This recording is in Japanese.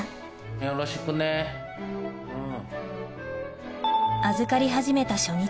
よろしくねうん。